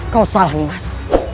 kau salah nih mas